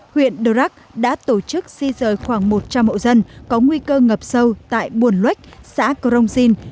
huyện đô rắc đã tổ chức si rời khoảng một trăm linh hộ dân có nguy cơ ngập sâu tại buồn luách xã cơ rông dinh